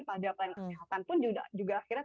pada pelayanan kesehatan pun juga akhirnya